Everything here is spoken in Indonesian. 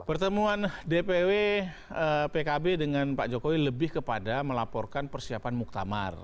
pertemuan dpw pkb dengan pak jokowi lebih kepada melaporkan persiapan muktamar